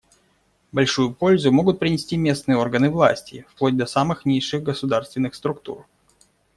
Большую пользу могут принести местные органы власти, вплоть до самых низших государственных структур.